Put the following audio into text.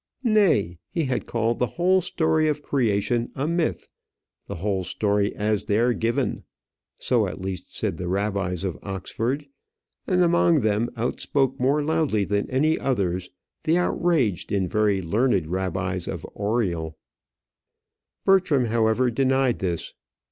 Nay, he had called the whole story of Creation a myth; the whole story as there given: so at least said the rabbis of Oxford, and among them outspoke more loudly than any others the outraged and very learned rabbis of Oriel. Bertram however denied this.